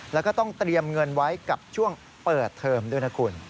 แล้วก็ต้องเตรียมเงินไว้กับช่วงเปิดเทอมด้วยนะคุณ